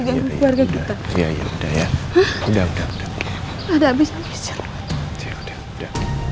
gak ada yang sedih